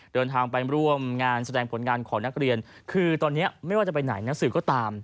เดินทางไปร่วมงานแสดงผลงานของนักเรียนคือตอนนี้ไม่ว่าจะไปไหนนักสื่อก็ตาม